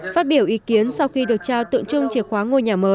phát biểu ý kiến sau khi được trao tượng trưng